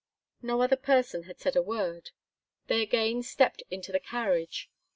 No other person had said a word; they again stepped into the carriage.